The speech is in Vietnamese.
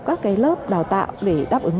các cái lớp đào tạo để đáp ứng